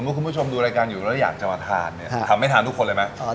คุณผู้ชมดูรายการอยู่แล้วอยากจะมาทานเนี่ยทำให้ทานทุกคนเลยไหม